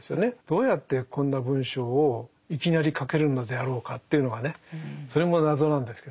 どうやってこんな文章をいきなり書けるのであろうかというのがねそれも謎なんですけどね。